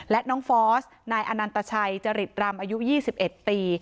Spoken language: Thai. และน้องฟอสนายอนันตชัยจริตรำอายุ๒๑ปี